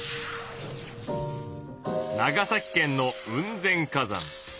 長崎県の雲仙火山。